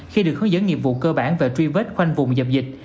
khi được hướng dẫn nghiệp vụ cơ bản về truy vết khoanh vùng dập dịch